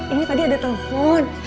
ini tadi ada telepon